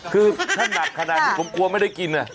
คือถ้าหนักขนาดนี้ผมกลัวไม่ได้กิน